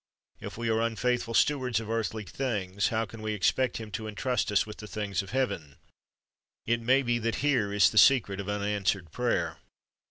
If we are unfaithful stewards of earthly things, how can we expect Him to entrust us with the things of heaven? It may be that here is the secret of unanswered prayer.